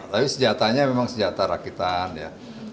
tapi senjatanya memang senjata rakitan ya